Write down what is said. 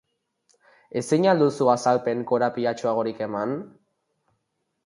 Ezin al duzu azalpen korapilatsuagorik eman?